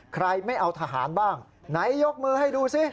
ใครไม่เอาทหารบ้างไหนยกมือให้ดูสิ